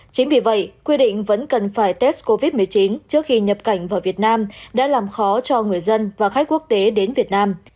chính vì vậy quy định vẫn cần phải test covid một mươi chín trước khi nhập cảnh vào việt nam đã làm khó cho người dân và khách quốc tế đến việt nam